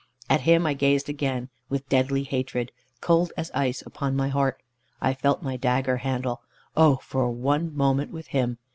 At him I gazed again, with deadly hatred, cold as ice, upon my heart. I felt my dagger handle. Oh for one moment with him!